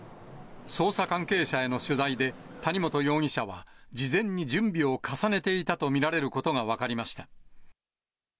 捜査関係者への取材で、谷本容疑者は事前に準備を重ねていたと見られることが分かりました。